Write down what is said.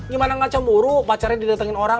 gimana gak cemburu pacarnya didetengin orang